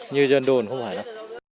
như dân đồn không hỏi đâu